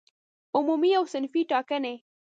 عمومي او صنفي ټاکنې